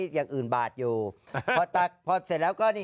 ถ่ายไป